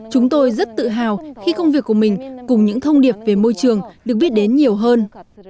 chúng tôi rất tự hào khi công việc của mình cùng những thông điệp về môi trường được biết đến nhiều hơn